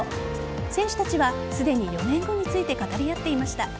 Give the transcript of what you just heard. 選手たちはすでに４年後について語り合っていました。